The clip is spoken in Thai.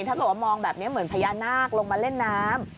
ถ้าเกิดว่ามองแบบนี้เหมือนพญานาคลงมาเล่นน้ำ